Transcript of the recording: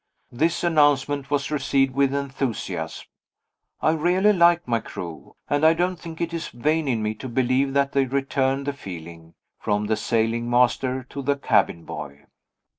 This announcement was received with enthusiasm. I really like my crew and I don't think it is vain in me to believe that they return the feeling, from the sailing master to the cabin boy.